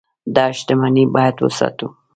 دا شتمني باید وساتو.